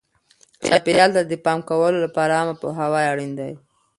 چاپیریال ته د پام کولو لپاره عامه پوهاوی اړین دی.